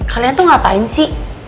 kalian tuh ngapain sih